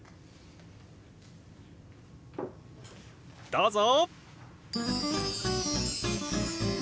どうぞ！